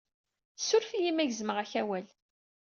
Suref-iyi, ma gezmeɣ-ak awal.